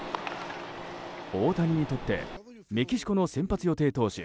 大谷にとってメキシコの先発予定投手